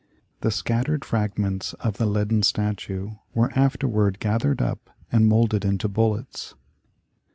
The scattered fragments of the leaden statue were afterward gathered up and moulded into bullets.